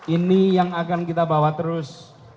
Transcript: ini yang akan kita bawa terus